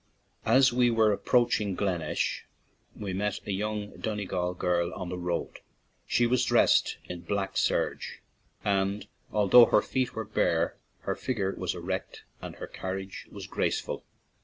As we were approaching Glengesh, we met a young Donegal girl on the road. She was dressed in black serge, and, al though her feet were bare, her figure was erect and her carriage very graceful.